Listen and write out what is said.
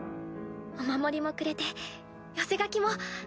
お守りもくれて寄せ書きも。